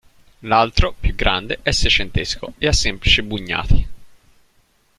L'altro, più grande, è seicentesco e a semplici bugnati.